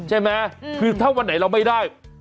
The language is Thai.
ใช่ไหมคือถ้าวันไหนเราไม่ได้